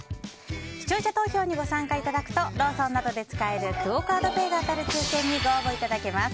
視聴者投票にご参加いただくとローソンなどで使えるクオ・カードペイが当たる抽選にご応募いただけます。